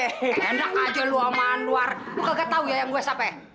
hendak aja lu oman war lu kagak tau yayang gua siapa